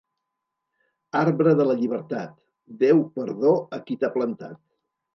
Arbre de la llibertat, Déu perdó a qui t'ha plantat.